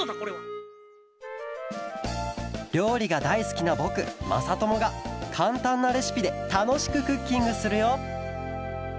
りょうりがだいすきなぼくまさともがかんたんなレシピでたのしくクッキングするよ